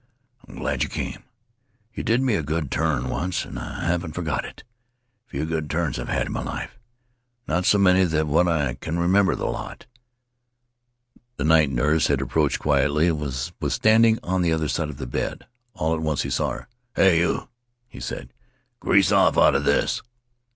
'I'm glad you came. You did me a good turn once and I haven't forgot it. Few good turns I've had in my life. Not so many but what I can remember the lot.' The night nurse had approached quietly and was standing on the other side of the bed. All at once he saw her. 'Hey, you!' he said. 'Grease off out of this!